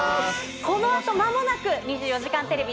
この後まもなく、『２４時間テレビ』